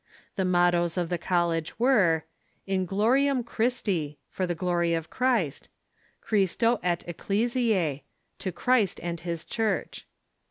The mot toes of the college were : In Gloriam Christi (" For the Glory of Christ") ; Christo et Ecclesiae (" To Christ and his Church